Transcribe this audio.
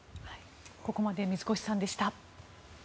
ここまで水越さんでした。